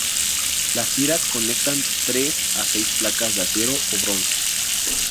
Las tiras conectan tres a seis placas de acero o bronce.